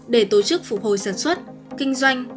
để tổ chức phục hồi sản xuất kinh doanh